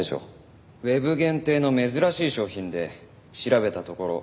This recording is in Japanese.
ウェブ限定の珍しい商品で調べたところ